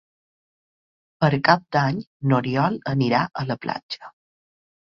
Per Cap d'Any n'Oriol anirà a la platja.